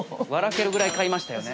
けるぐらい買いましたよね。